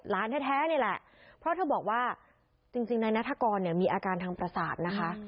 แท้นี่แหละเพราะเธอบอกว่าจริงนายนัฐกรเนี่ยมีอาการทางประสาทนะคะ